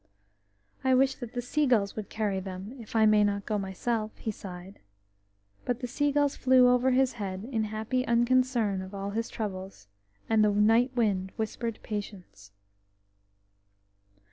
"I wish that the seagulls would carry them, if I may not go myself," he sighed. But the seagulls flew over his head in happy unconcern of all his troubles, and the night wind whispered patience.